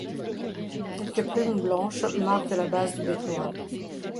Quelques plumes blanches marquent la base du bec noir.